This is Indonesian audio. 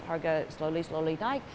harga kecil kecil naik